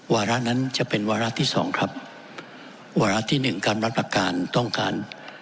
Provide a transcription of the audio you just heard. วาระนั้นจะเป็นวาระที่สองครับวาระที่หนึ่งการรับประการต้องการ